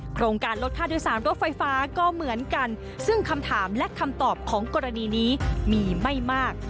โครงการลดค่าโดยสารรถไฟฟ้าก็เหมือนกันซึ่งคำถามและคำตอบของกรณีนี้มีไม่มาก